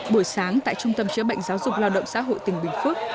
buổi sáng tại trung tâm chữa bệnh giáo dục lao động xã hội tỉnh bình phước